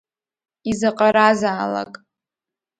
Изаҟаразаалак.